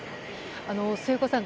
末岡さん